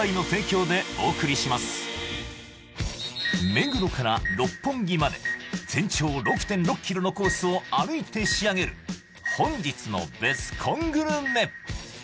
目黒から六本木まで全長６．６ｋｍのコースを歩いて仕上げる本日のベスコングルメ